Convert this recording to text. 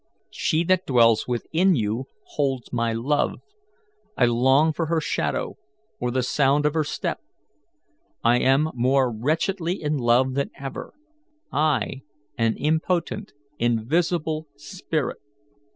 She that dwells within you holds my love. I long for her shadow or the sound of her step. I am more wretchedly in love than ever I, an impotent, invisible spirit.